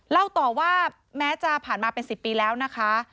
เล่าต่อว่าแม้จะผ่านมาเป็น๑๐ปีแล้วนะคะ